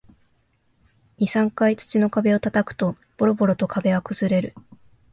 二、三回土の壁を叩くと、ボロボロと壁は崩れる